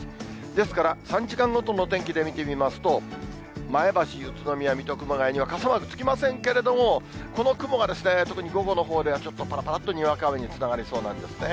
ですから、３時間ごとの天気で見てみますと、前橋、宇都宮、水戸、熊谷には傘マークつきませんけれども、この雲が特に午後のほうでは、ちょっとぱらぱらっと、にわか雨につながりそうなんですね。